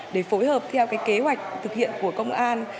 để phối hợp theo cái kế hoạch thực hiện của công an